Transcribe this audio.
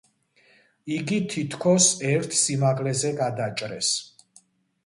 იგი თითქოს ერთ სიმაღლეზე გადაჭრეს.